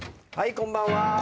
こんばんは。